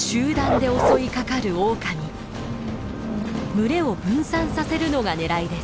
群れを分散させるのがねらいです。